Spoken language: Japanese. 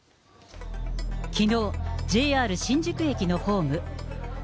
きのう、ＪＲ新宿駅のホーム。